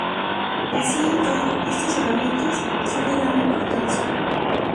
Así y todo estas herramientas son de gran importancia.